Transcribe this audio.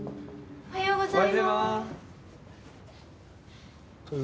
おはようございます。